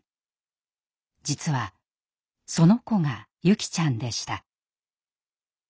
実はその子が優希ちゃんでした。